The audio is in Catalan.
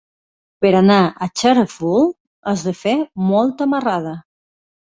Per anar a Xarafull has de fer molta marrada.